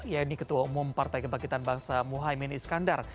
yaitu ketua umum partai kebangkitan bangsa muhaymin iskandar